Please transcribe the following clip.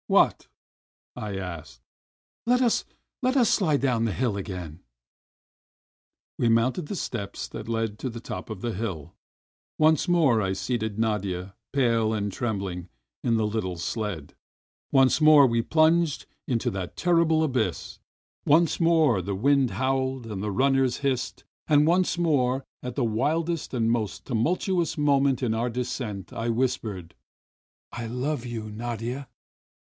"What?" I asked. "Let us — let us sUde down the hill again!" We mounted the steps that led to the top of the hill. Once more I seated Nadia, pale and trembhng, in the little sled, once more we plunged into that terrible abyss; once more the wind howled, and the runners hissed, and once more, at the wildest and most tumul tuous moment of our descent, I whispered: "I love you, Nadia!"